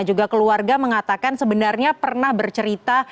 juga keluarga mengatakan sebenarnya pernah bercerita